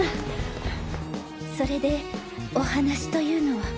それでお話というのは？